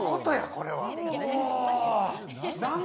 これは。